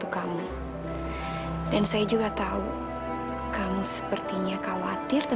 kamu nggak usah khawatir ya